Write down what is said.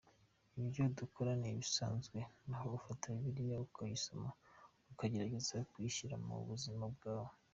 Ibyo dukora ni ibisanzwe aho ufata Bibiliya ukayisoma ukagerageza kuyishyira mu buzima bwawe